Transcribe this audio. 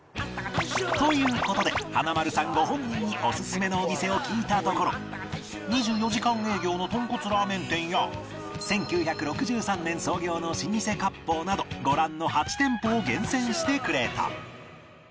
という事で華丸さんご本人にオススメのお店を聞いたところ２４時間営業のとんこつラーメン店や１９６３年創業の老舗割烹などご覧の８店舗を厳選してくれた